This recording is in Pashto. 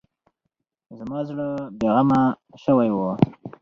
زما زړه بې غمه شوی و.